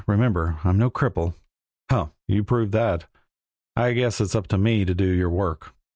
Remember I'm no cripple." "Humph! You proved that. I guess it's up to me to do your work."